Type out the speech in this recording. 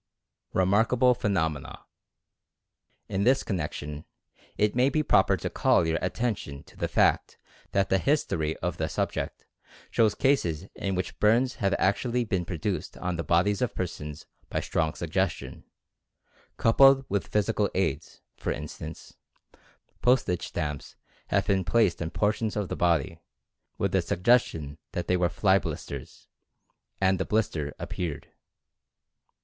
REMARKABLE PHENOMENA. In this connection, it may be proper to call your at tention to the fact that the history of the subject shows cases in which burns have actually been produced on the bodies of persons by strong suggestions, coupled with physical aids, for instance, postage stamps have been placed on portions of the body, with the sug gestion that they were fly blisters, and the blister ap peared.